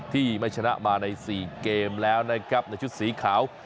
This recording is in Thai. ที่ไม่ชนะมาใน๔เกมแล้วนะครับในชุดสีขาว